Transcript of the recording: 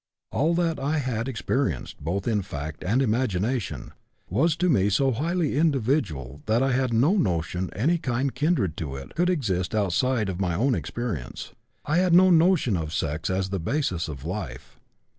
All that I had experienced both in fact and imagination was to me so highly individual that I had no notion anything kindred to it could exist outside of my own experience. I had no notion of sex as the basis of life.